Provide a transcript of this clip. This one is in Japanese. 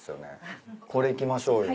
これいきましょうよ。